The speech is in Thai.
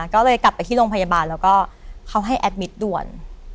ก็เลยกลับไปที่โรงพยาบาลแล้วก็เขาให้แอดมิตรด่วน